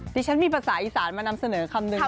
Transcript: ฉันมีภาษาอีสานมานำเสนอคำนึง